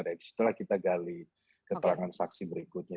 dan setelah kita gali keterangan saksi berikutnya